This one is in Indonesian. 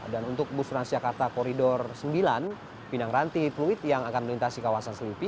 dan untuk bus transjakarta koridor sembilan pinang ranti fluid yang akan melintasi kawasan selipi